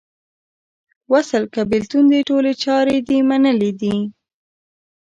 وصل که بیلتون دې ټولي چارې دې منلې دي